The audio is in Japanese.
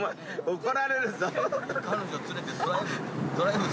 怒られるぞ。